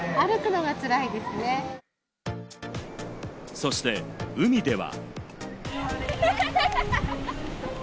そして海では。